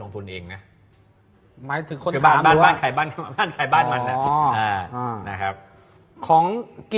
เล็กเล็กเล็กเล็กเล็กเล็กเล็ก